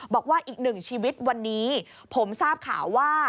บอกว่าอีกหนึ่งชีวิตวันนี้ผมทราบข่าวว่า